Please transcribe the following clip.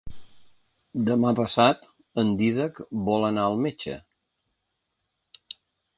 Demà passat en Dídac vol anar al metge.